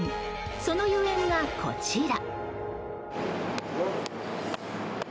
そのゆえんがこちら。